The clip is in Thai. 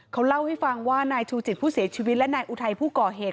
เขาเล่าให้ฟังว่านายชูจิตผู้เสียชีวิตและนายอุทัยผู้ก่อเหตุ